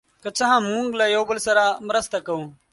که څه هم، موږ له یو بل سره مرسته کوو.